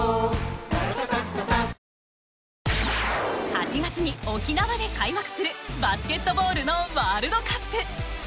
８月に沖縄で開幕するバスケットボールのワールドカップ。